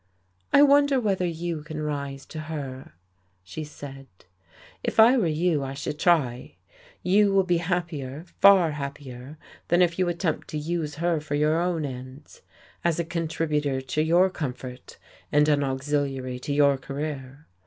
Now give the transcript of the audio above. "I wonder whether you can rise to her," she said. "If I were you, I should try. You will be happier far happier than if you attempt to use her for your own ends, as a contributor to your comfort and an auxiliary to your career.